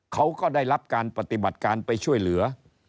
เขาก็ได้รับการปฏิบัติการไปช่วยเหลือ